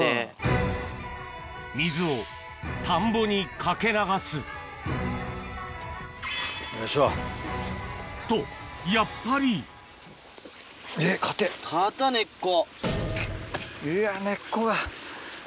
水を田んぼにかけ流すやりましょう。とやっぱり硬っ根っこ。